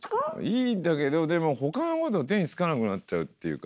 いいんだけどでも他のこと手につかなくなっちゃうっていうか